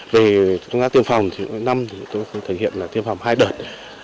về công tác tiêm phòng thì năm tôi có thể thể hiện là tiêm phòng hai đợt